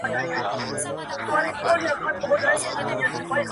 نوربه ناز ادا غواړم چي تــــــــا غـــــــــــواړم!